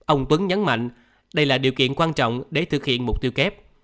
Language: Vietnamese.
ông tuấn nhấn mạnh đây là điều kiện quan trọng để thực hiện mục tiêu kép